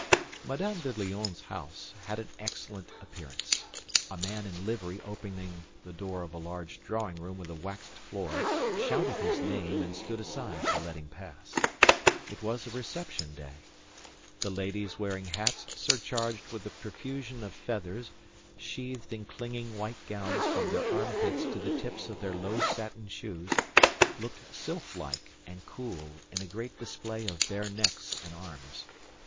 Madame de Lionne's house had an excellent appearance. A man in livery opening the door of a large drawing room with a waxed floor, shouted his name and stood aside to let him pass. It was a reception day. The ladies wearing hats surcharged with a profusion of feathers, sheathed in clinging white gowns from their armpits to the tips of their low satin shoes, looked sylphlike and cool in a great display of bare necks and arms.